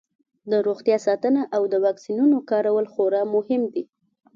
د روغتیا ساتنه او د واکسینونو کارول خورا مهم دي.